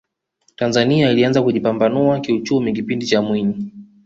tanzania ilianza kujipambanua kiuchumi kipindi cha mwinyi